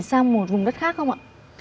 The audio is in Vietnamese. sang một vùng đất khác không ạ